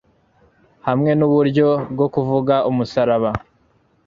Hamwe nuburyo bwo kuvuga umusaraba